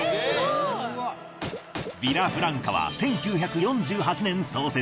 ヴィラフランカは１９４８年創設。